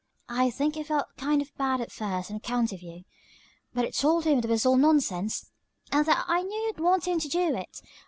I think he felt kind of bad at first on account of you. But I told him that was all nonsense, and that I knew youd want him to do it.